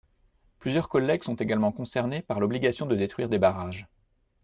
Plusieurs collègues sont également concernés par l’obligation de détruire des barrages.